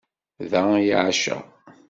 Da i εaceɣ.